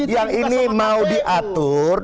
yang ini mau diatur